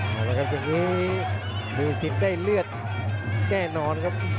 เอาละครับตรงนี้มิวซินได้เลือดแน่นอนครับ